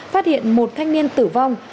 phát hiện một thanh niên tử vong